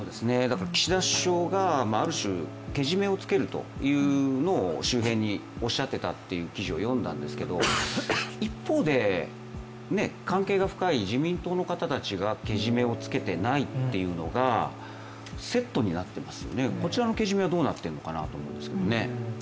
岸田首相がある種けじめをつけるというのを周辺におっしゃっていたという記事を読んだんですけれども、一方で、関係が深い自民党の方たちがけじめをつけていないというのがセットになっていますよね、こちらのけじめはどうなっているのかなと思いますけどね。